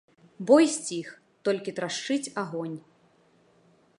Бой сціх, толькі трашчыць агонь.